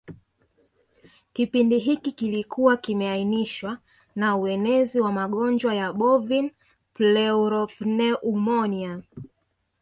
Kipindi hiki kilikuwa kimeainishwa na uenezi wa magonjwa ya bovin pleuropneumonia